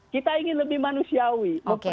kita ingin lebih manusiawi